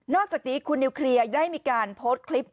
อกจากนี้คุณนิวเคลียร์ได้มีการโพสต์คลิป